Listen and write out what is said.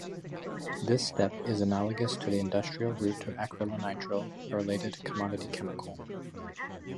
This step is analogous to the industrial route to acrylonitrile, a related commodity chemical.